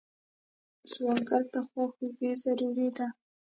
سوالګر ته خواخوږي ضروري ده